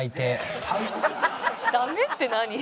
ダメって何？